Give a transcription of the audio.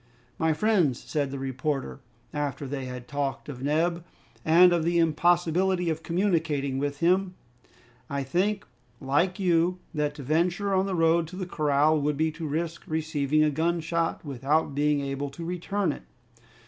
"My friends," said the reporter, after they had talked of Neb and of the impossibility of communicating with him, "I think, like you, that to venture on the road to the corral would be to risk receiving a gunshot without being able to return it.